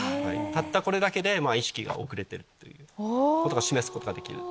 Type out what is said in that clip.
たったこれだけで意識が遅れてるということが示すことができる。